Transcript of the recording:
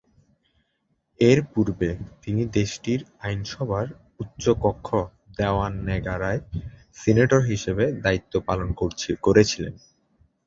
এর পূর্বে তিনি দেশটির আইনসভার উচ্চকক্ষ দেওয়ান নেগারায় সিনেটর হিসেবে দায়িত্ব পালন করেছিলেন।